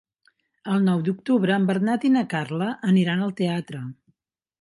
El nou d'octubre en Bernat i na Carla aniran al teatre.